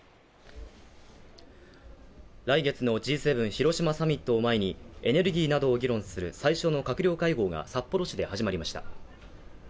来月のＧ７＝広島サミットを前に、エネルギーなどを議論する最初の閣僚会合が札幌市で始まりました。